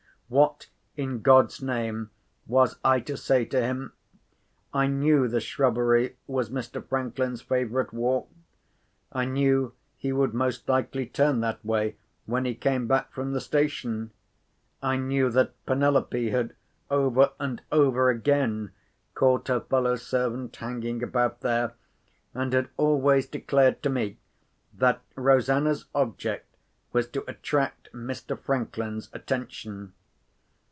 What, in God's name, was I to say to him? I knew the shrubbery was Mr. Franklin's favourite walk; I knew he would most likely turn that way when he came back from the station; I knew that Penelope had over and over again caught her fellow servant hanging about there, and had always declared to me that Rosanna's object was to attract Mr. Franklin's attention.